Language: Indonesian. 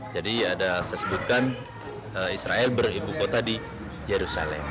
jadi ada saya sebutkan israel beribu kota di yerusalem